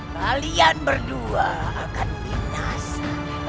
kalian berdua akan binasa